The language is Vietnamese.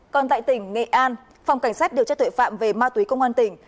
còn tại tỉnh nghệ an phòng cảnh sát điều tra tuệ phạm về ma túy công an tỉnh